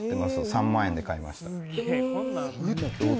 ３万円で買いましたえ！